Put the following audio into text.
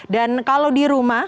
dan kalau di rumah